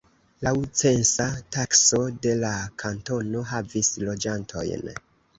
Laŭ censa takso de la kantono havis loĝantojn.